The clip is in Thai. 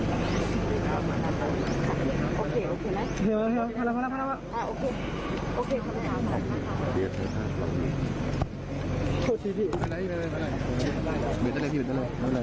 โอเคโอเคแล้วโอเคแล้วไปแล้วไปแล้วไปแล้วไปแล้ว